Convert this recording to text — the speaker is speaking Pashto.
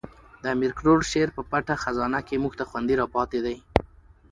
د امیر کروړ شعر په پټه خزانه کښي موږ ته خوندي را پاته دئ.